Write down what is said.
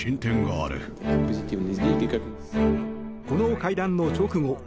この会談の直後